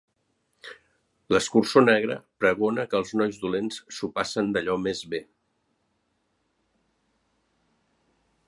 L'Escurçó Negre pregona que els nois dolents s'ho passen d'allò més bé.